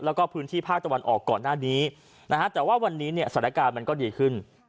แล้วก็พื้นที่ภาคตะวันออกก่อนหน้านี้นะฮะแต่ว่าวันนี้เนี่ยสถานการณ์มันก็ดีขึ้น